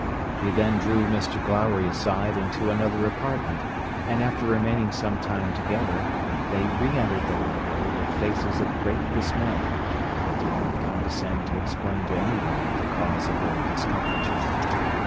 He then drew Mr Glowry aside into another apartment, and after remaining some time together, they re entered the library with faces of great dismay, but did not condescend to explain to any one the cause of their discomfiture.